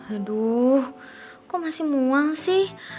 aduh kok masih mual sih